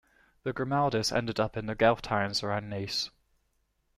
The Grimaldis ended up in the Guelph towns around Nice.